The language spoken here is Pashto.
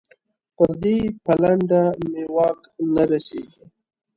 پر دې پلنډه مې واک نه رسېږي.